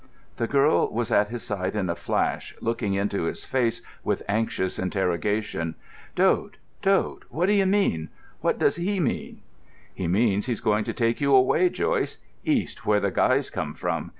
The girl was at his side in a flash, looking into his face with anxious interrogation. "Dode, Dode, what do you mean?—what does he mean?" "He means he's going to take you away, Joyce—East, where the guys come from.